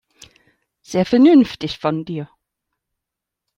Sehr vernünftig von dir.